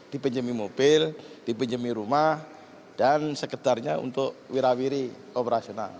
dipenjami mobil dipenjami rumah dan sekedarnya untuk wira wiri operasional